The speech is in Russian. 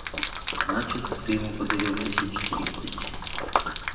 Значит, ты ему подарил тысяч тридцать.